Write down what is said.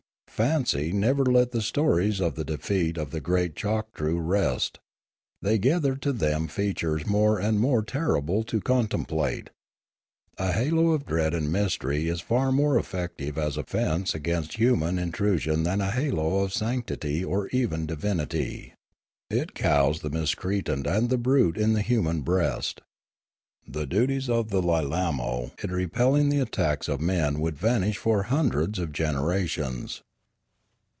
Fancy never let the stories of the defeat of the great Choktroo rest; they gathered to them features more and more terrible to contemplate. A halo of dread and mystery is far more effective as a fence against human intru sion than a halo of sanctity or even divinity. It cows the miscreant and the brute in the human breast. The duties of the Lilaino in repelling the attacks of men would vanish for hundreds of generations.